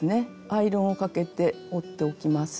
アイロンをかけて折っておきます。